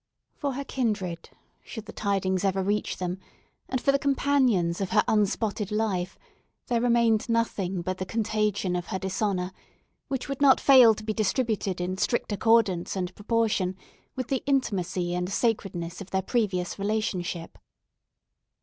For her kindred, should the tidings ever reach them, and for the companions of her unspotted life, there remained nothing but the contagion of her dishonour; which would not fail to be distributed in strict accordance and proportion with the intimacy and sacredness of their previous relationship.